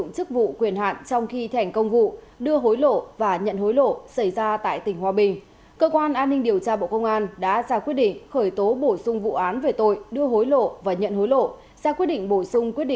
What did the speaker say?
các bạn hãy đăng ký kênh để ủng hộ kênh của chúng mình nhé